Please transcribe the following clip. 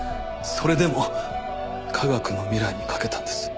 それでも科学の未来にかけたんです。